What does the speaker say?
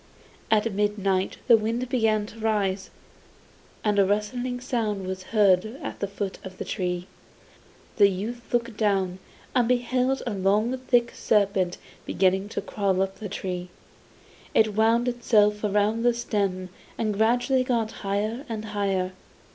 At midnight the wind began to rise, and a rustling sound was heard at the foot of the tree. The youth looked down and beheld a long thick serpent beginning to crawl up the tree. It wound itself round the stem and gradually got higher and higher.